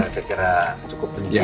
saya kira cukup kemudian